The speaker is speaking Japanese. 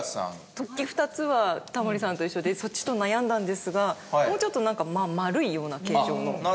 突起２つはタモリさんと一緒でそっちと悩んだんですがもうちょっとなんか丸いような形状のものです。